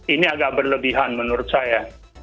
ini agak berlebihan menurut saya